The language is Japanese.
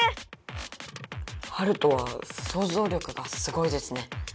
ハルトは想像力がすごいですね。